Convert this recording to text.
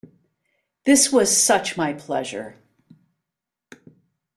This was such my pleasure.